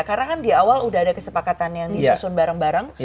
karena kan di awal udah ada kesepakatan yang disusun bareng bareng